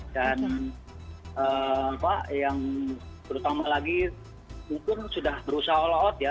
dan apa yang terutama lagi pun sudah berusaha all out ya